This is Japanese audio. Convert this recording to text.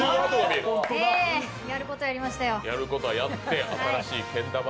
ええ、やることはやりましたよ。